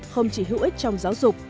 không chỉ hữu ích trong giáo dục